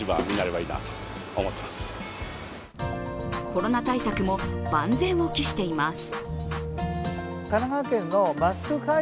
コロナ対策も万全を期しています。